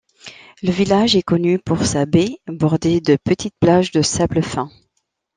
Le village est connu pour sa baie bordée de petites plages de sable fin.